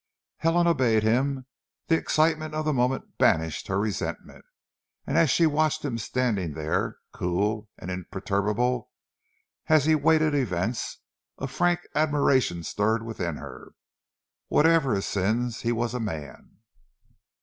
Helen obeyed him. The excitement of the moment banished her resentment, and as she watched him standing there, cool and imperturbable as he waited events, a frank admiration stirred within her. Whatever his sins, he was a man!